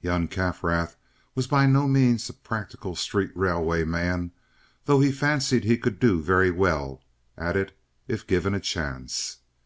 Young Kaffrath was by no means a practical street railway man, though he fancied he could do very well at it if given a chance.